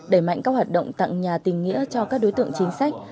đẩy mạnh các hoạt động tặng nhà tình nghĩa cho các đối tượng chính sách